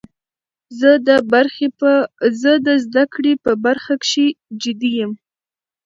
زه د زده کړي په برخه کښي جدي یم.